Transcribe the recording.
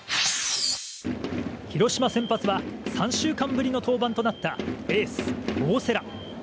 広島先発は３週間ぶりの登板となったエース、大瀬良。